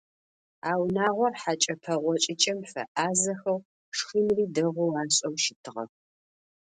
А унагъор хьэкӏэ пэгъокӏыкӏэм фэӏазэхэу, шхыныри дэгъоу ашӏэу щытыгъэх.